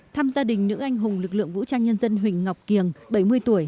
thăm gia đình nữ anh hùng lực lượng vũ trang nhân dân huỳnh ngọc kiềng bảy mươi tuổi